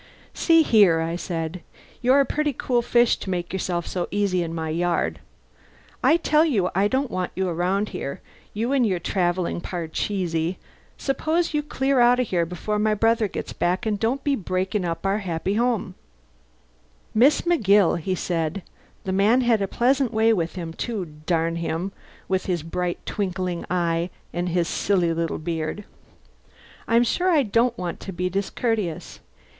"See here," I said. "You're a pretty cool fish to make yourself so easy in my yard. I tell you I don't want you around here, you and your travelling parcheesi. Suppose you clear out of here before my brother gets back and don't be breaking up our happy family." "Miss McGill," he said (the man had a pleasant way with him, too darn him with his bright, twinkling eye and his silly little beard), "I'm sure I don't want to be discourteous.